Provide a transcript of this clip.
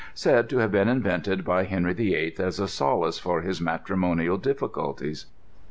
Said to have been invented by Henry VIII as a solace for his matrimonial difficulties.